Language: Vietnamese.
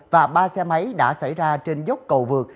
và ba xe máy đã xảy ra trên dốc cầu vượt